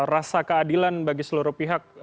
rasa keadilan bagi seluruh pihak